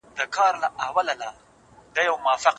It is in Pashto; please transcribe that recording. پیغمبرانو خلګو ته د خدای لارښوونې رسولې.